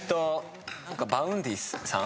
Ｖａｕｎｄｙさん。